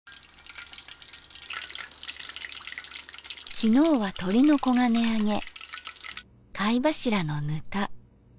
昨日はとりの黄金あげ貝柱のぬた。